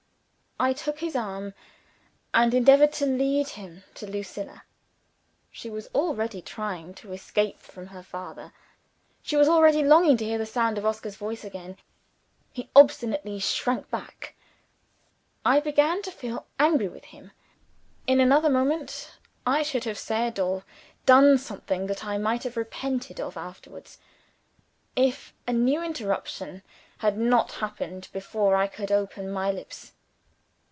I took his arm, and endeavored to lead him to Lucilla. She as already trying to escape from her father; she was already longing to hear the sound of Oscar's voice again. He obstinately shrank back. I began to feel angry with him. In another moment, I should have said or done something that I might have repented of afterwards if a new interruption had not happened before I could open my lips.